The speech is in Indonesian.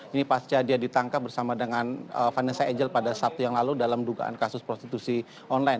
ini pasca dia ditangkap bersama dengan vanessa angel pada sabtu yang lalu dalam dugaan kasus prostitusi online